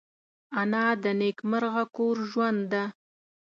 انا د نیکمرغه کور ژوند ده